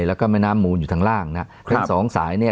แล้วก็แม่น้ำหมูนอยู่ทางล่างนะครับครับเป็นสองสายเนี่ย